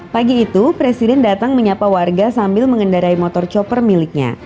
pagi itu presiden datang menyapa warga sambil mengendarai motor chopper miliknya